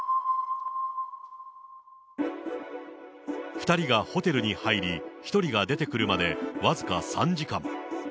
２人がホテルに入り、１人が出てくるまで僅か３時間。